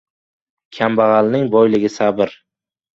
Kambag‘alning boyligi — sabr.